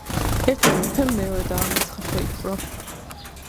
ერთმა მეფემ მეორე დაამარცხა, შეიპყრო